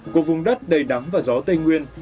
của vùng đất đầy đắng và gió tây nguyên